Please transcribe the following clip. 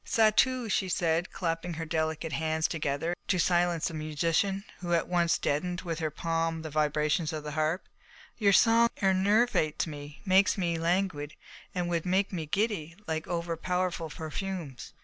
"Satou," she said, clapping her delicate hands together to silence the musician, who at once deadened with her palm the vibrations of the harp, "your song enervates me, makes me languid, and would make me giddy like overpowerful perfumes.